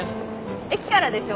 駅からでしょ？